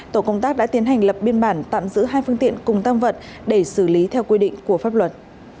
tổ công tác đã tiến hành lập biên bản tạm giữ hai phương tiện cùng tăng vật để xử lý theo quy định của pháp luật